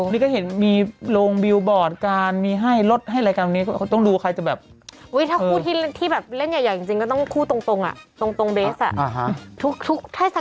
ปกติไอ้มาลีมันจะเป็นคนเปิดตัวแรงเนอะ